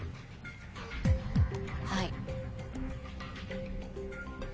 はい。